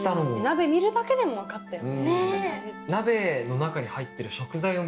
鍋見るだけでも分かったよね。